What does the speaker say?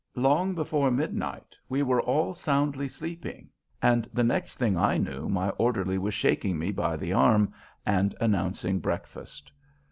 Long before midnight we were all soundly sleeping, and the next thing I knew my orderly was shaking me by the arm and announcing breakfast.